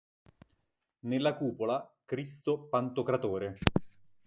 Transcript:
Nella cupola, “Cristo pantocratore”.